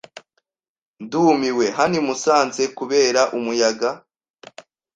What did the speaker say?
Ndumiwe hano i Musanze kubera umuyaga.